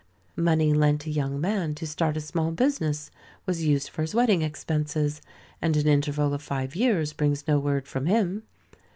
Money lent a young man to start a small business, was used for his wedding expenses, and an interval of five years brings no word from him.